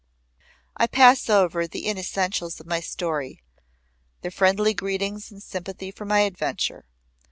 I pass over the unessentials of my story; their friendly greetings and sympathy for my adventure.